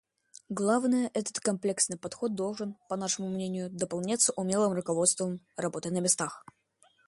Главное, этот комплексный подход должен, по нашему мнению, дополняться умелым руководством работой на местах.